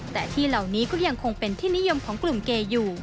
แต่ที่เหล่านี้ก็ยังคงเป็นที่นิยมของกลุ่มเกย์อยู่